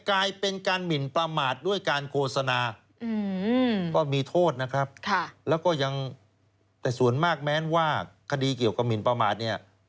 กลายเป็นการหมินประมาทด้วยการโฆษณาก็มีโทษนะครับแล้วก็ยังแต่ส่วนมากแม้ว่าคดีเกี่ยวกับหมินประมาทเนี่ย